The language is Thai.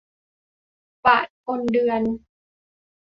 บาทคนเดือน